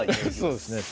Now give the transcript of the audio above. そうですね